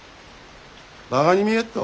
バガに見えっと。